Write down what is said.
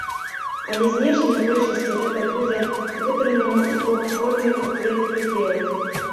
Але знешне ў большасці гэта будзе вытрымана ў поп-форме куплет-прыпеў.